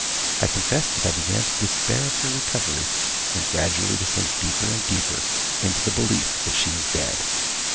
I confess that I began to despair of her recovery, and gradually to sink deeper and deeper into the belief that she was dead.